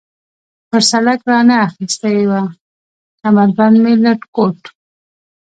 پر سړک را نه اخیستې وه، کمربند مې له کوټ.